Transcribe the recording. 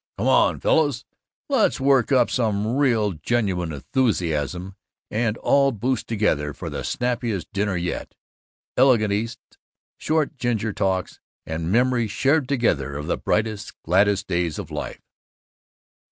Come on, fellows, let's work up some real genuine enthusiasm and all boost together for the snappiest dinner yet! Elegant eats, short ginger talks, and memories shared together of the brightest, gladdest days of life.